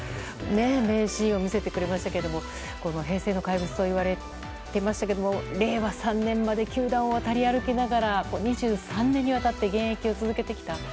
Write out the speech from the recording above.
名シーンを見せてくれましたけども平成の怪物と言われてきましたけれども令和３年まで球団を渡り歩きながら２３年にわたって現役を続けてきた。